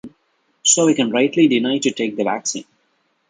So we can rightly deny to take the vaccine.